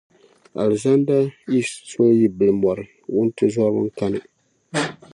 Alizanda yi soli bili mɔri, wuntizɔriba n-kani.